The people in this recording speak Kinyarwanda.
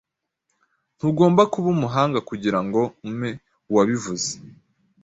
Ntugomba kuba umuhanga kugirango umee uwabivuze.